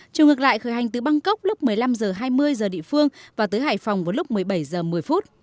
chủng ngược lại khởi hành từ bangkok lúc một mươi năm giờ hai mươi giờ địa phương và tới hải phòng vào lúc một mươi bảy giờ một mươi phút